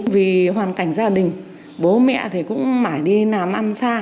vì hoàn cảnh gia đình bố mẹ thì cũng mãi đi làm ăn xa